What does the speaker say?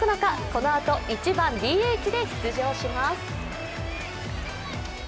このあと、１番・ＤＨで出場します。